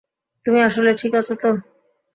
তুমি আসলেই ঠিক আছ তো?